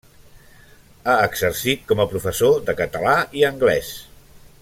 Ha exercit com a professor de català i anglès.